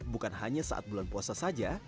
bukan hanya saat bulan puasa saja